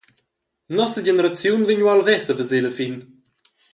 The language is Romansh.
Nossa generaziun vegn ualvess a veser la fin.